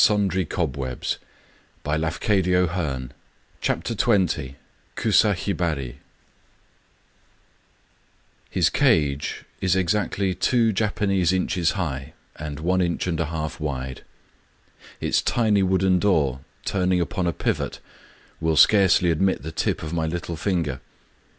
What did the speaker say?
Digitized by Google Digitized by Google Kusa Hibari '*'>^'■—'■" HIS cage is exactly two Japanese inches high and one inch and a half wide : its tiny wooden door, turning upon a pivot, will scarcely admit the tip of my little finger.